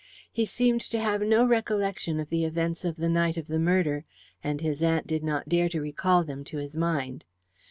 He seemed to have no recollection of the events of the night of the murder, and his aunt did not dare to recall them to his mind.